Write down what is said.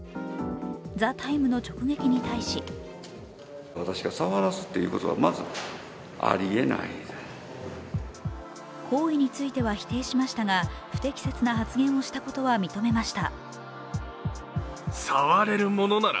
「ＴＨＥＴＩＭＥ，」の直撃に対し行為については否定しましたが不適切な発言をしたことは認めました。